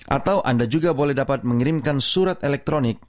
atau anda juga boleh dapat mengirimkan surat elektronik